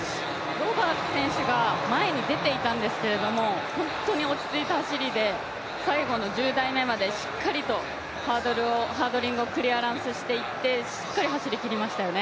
ロバーツ選手が前に出ていたんですけれども、本当に落ち着いて、最後の１０台目までしっかりとハードリングをクリアランスしていってしっかり走りきりましたよね。